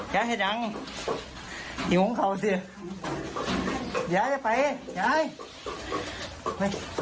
อย่าให้ดังหยุงเขาสิได้ไปยาย